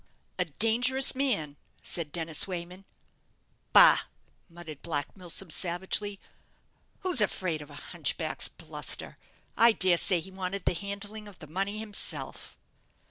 "A dangerous man," said Dennis Wayman. "Bah!" muttered Black Milsom, savagely; "who's afraid of a hunchback's bluster? I dare say he wanted the handling of the money himself."